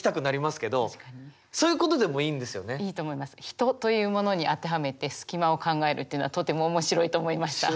ヒトというものに当てはめてスキマを考えるっていうのはとても面白いと思いました。